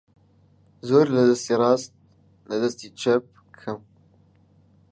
زۆر لە دەستی ڕاست لە دەستی چەپ کەم